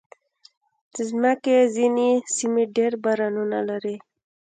د مځکې ځینې سیمې ډېر بارانونه لري.